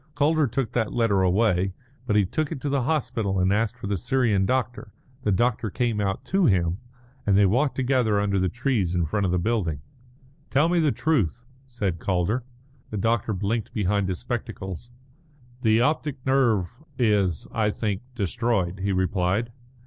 Calder took that letter away. But he took it to the hospital and asked for the Syrian doctor. The doctor came out to him, and they walked together under the trees in front of the building. "Tell me the truth," said Calder. The doctor blinked behind his spectacles. "The optic nerve is, I think, destroyed," he replied.